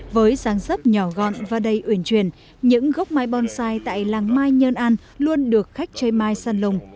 với giáng dấp nhỏ gọn và đầy uyển truyền những gốc mai bonsai tại làng mai nhơn an luôn được khách chơi mai săn lùng